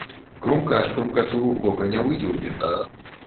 Крумкач крумкачу вока не выдзеўбе